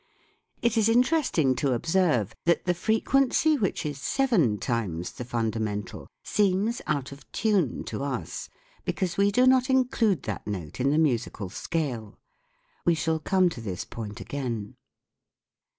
It is interesting to observe that the frequency which is seven times the fundamental seems out of tune to us because we do not include that note in the musical scale. We shall come to this point again.